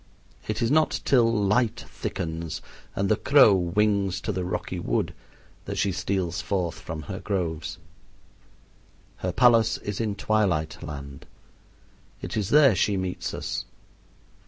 It is not till "light thickens and the crow wings to the rocky wood" that she steals forth from her groves. Her palace is in twilight land. It is there she meets us.